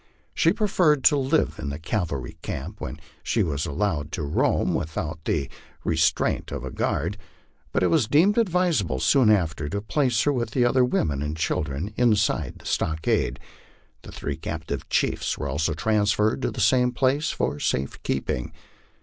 She preferred to live in the cavalry camp, where she was allowed to roam without the re 254 MY LIFE ON THE PLAINS. Btraiiit of a guard; but it was deemed advisable soon after to place her with the other women and children inside the stockade. The three captive chiefs were also transferred to the same place for safe keeping.